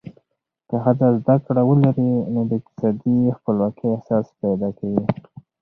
که ښځه زده کړه ولري، نو د اقتصادي خپلواکۍ احساس پیدا کوي.